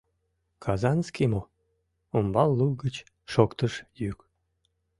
Казанский мо? — умбал лук гыч шоктыш йӱк.